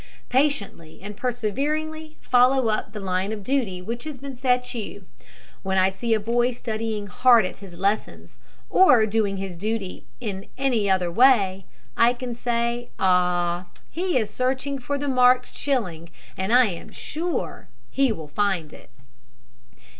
Patiently and perseveringly follow up the line of duty which has been set you. When I see a boy studying hard at his lessons, or doing his duty in any other way, I can say, "Ah, he is searching for the marked shilling; and I am sure he will find it."